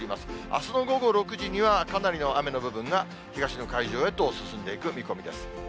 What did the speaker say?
あすの午後６時には、かなりの雨の部分が東の海上へと進んでいく見込みです。